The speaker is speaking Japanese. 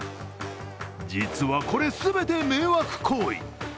実はこれ全て迷惑行為。